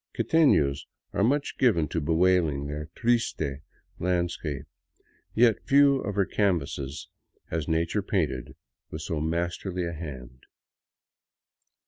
Quitefios are much given to bewailing their " triste " landscape ; yet few of her canvases has Na ture painted with so masterly a hand.